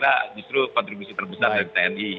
itu saya kira justru kontribusi terbesar dari tni